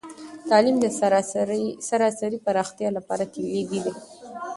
تعلیم د سراسري پراختیا لپاره کلیدي دی.